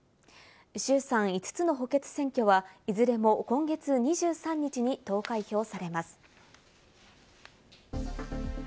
衆参５つの補欠選挙は、いずれも今月２３日に投開票されます。